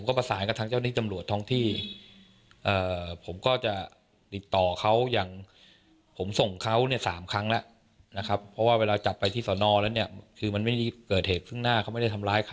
ตอนนี้ไล่ติดตามตัวอยู่นะครับ